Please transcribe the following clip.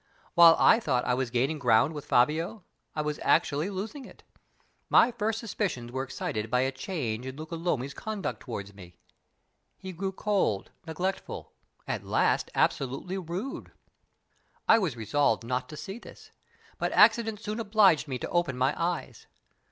While I thought I was gaining ground with Fabio, I was actually losing it. My first suspicions were excited by a change in Luca Lomi's conduct toward me. He grew cold, neglectful at last absolutely rude. I was resolved not to see this; but accident soon obliged me to open my eyes.